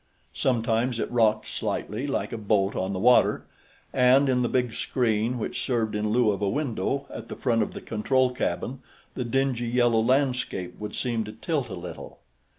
Sometimes it rocked slightly, like a boat on the water, and, in the big screen which served in lieu of a window at the front of the control cabin, the dingy yellow landscape would seem to tilt a little.